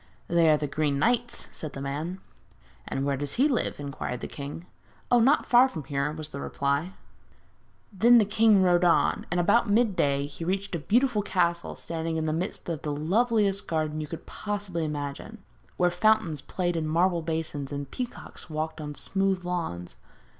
'They are the Green Knight's,' said the man. 'And where does he live?' inquired the king. 'Oh, not far from here,' was the reply. Then the king rode on, and about midday he reached a beautiful castle standing in the midst of the loveliest garden you can possibly imagine, where fountains played in marble basins, and peacocks walked on the smooth lawns.